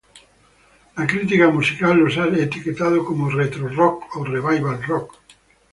La crítica musical los ha etiquetado como "retro-rock" o "revival rock".